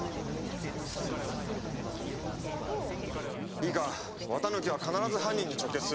いいか綿貫は必ず犯人に直結する！